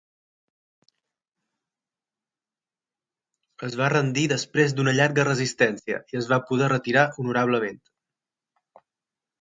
Es va rendir després d'una llarga resistència, i es va poder retirar honorablement.